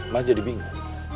mas jadi bingung